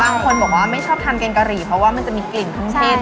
บางคนบอกว่าไม่ครับทานกางรีเพื่อว่ามันจะมีกลิ่นธุมเทศ